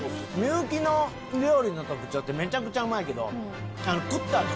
幸の料理の特徴ってめちゃくちゃうまいけど食ったあと。